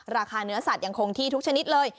ราคาเนื้อสัตว์ยังคงที่ทุกชนิดเลย